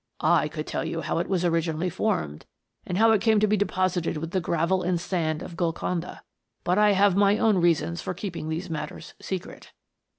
I could tell you how it was originally formed, and how it came to be deposited with the gravel and sand of Golconda, but I have my own reasons for keeping these matters secret.